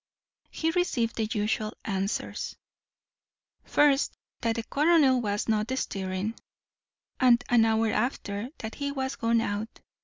He received the usual answers; first, that the colonel was not stirring, and an hour after that he was gone out.